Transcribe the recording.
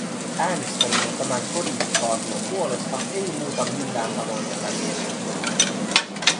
Äänestäminen tämän kodifikaation puolesta ei muuta millään tavoin tätä mielipidettä.